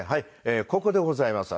ここでございますわね。